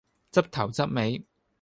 執頭執尾